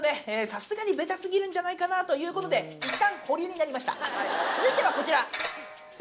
さすがにベタすぎるんじゃないかなということでいったん保留になりました。